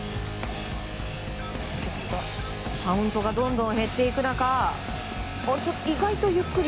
カウントがどんどん減っていく中意外とゆっくり。